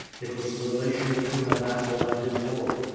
It was the relation between a vas sal and his lord.